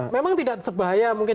memang tidak sebahaya mungkin